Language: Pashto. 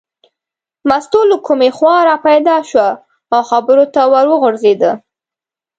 مستو له کومې خوا را پیدا شوه او خبرو ته ور وغورځېده.